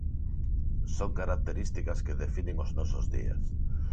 Son características que definen os nosos días.